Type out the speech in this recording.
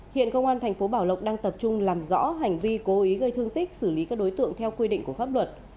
hiện công an thành phố bảo lộc đang tập trung làm rõ hành vi cố ý gây thương tích xử lý các đối tượng theo quy định của pháp luật